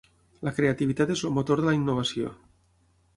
La creativitat és el motor de la innovació.